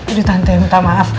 aduh tante minta maaf